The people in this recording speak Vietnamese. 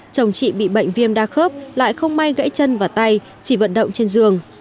chồng chị bị bệnh viêm đa khớp lại không may gãy chân và tay chỉ vận động trên giường